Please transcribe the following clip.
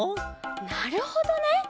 なるほどね！